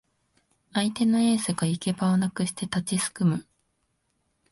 相手のエースが行き場をなくして立ちすくむ